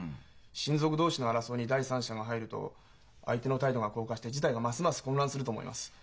親族同士の争いに第三者が入ると相手の態度が硬化して事態がますます混乱すると思います。